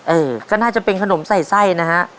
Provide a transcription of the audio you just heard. เออก็น่าจะเป็นขนมใส่ไส้นะฮะ